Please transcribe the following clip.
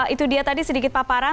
itu dia tadi sedikit paparan